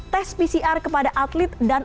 tes pcr kepada atlet dan